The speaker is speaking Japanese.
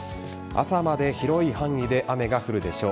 朝まで広い範囲で雨が降るでしょう。